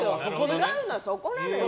違うのはそこなのよ。